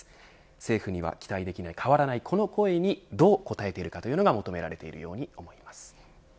政府には期待できない変わらない、この声にどう応えているかというのが求められているように思います。